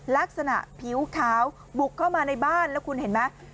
ลักษณะผิวขาวบุกเข้ามาในบ้านแล้วคุณเห็นไหม